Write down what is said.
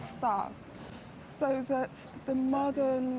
agar karya hidup modern